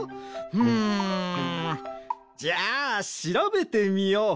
ふむ。じゃあしらべてみよう。